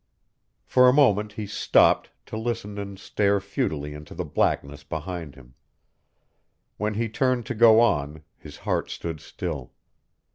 For a moment he stopped to listen and stare futilely into the blackness behind him. When he turned to go on his heart stood still.